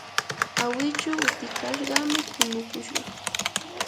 awichu utikashqami punukushqa.